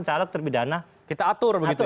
caleg terpidana kita atur